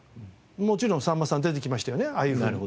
もちろんさんまさん出てきましたよねああいうふうになる。